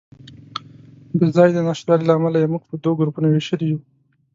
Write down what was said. د ځای د نشتوالي له امله یې موږ په دوو ګروپونو وېشلي یو.